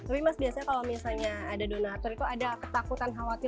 tapi mas biasanya kalau misalnya ada donatur itu ada ketakutan khawatir